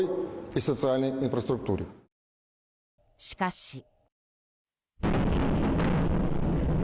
しかし。